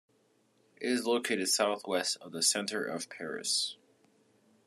It is located southwest of the center of Paris.